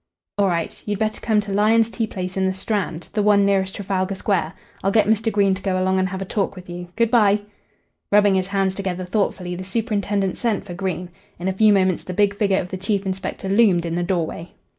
All right. You'd better come to Lyon's tea place in the Strand the one nearest Trafalgar Square. I'll get Mr. Green to go along and have a talk with you. Good bye." Rubbing his hands together thoughtfully, the superintendent sent for Green. In a few moments the big figure of the chief inspector loomed in the doorway.